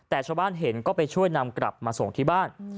แต่ชาวบ้านเห็นก็ไปช่วยนำกลับมาส่งที่บ้าน